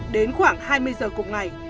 đến khoảng hai mươi giờ cùng ngày